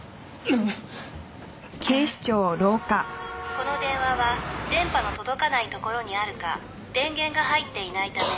「この電話は電波の届かないところにあるか電源が入っていないためかかりません」